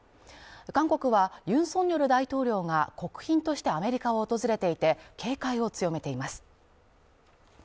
韓国はユン・ソンニョル大統領が国賓としてアメリカを訪れていて、警戒を強めています。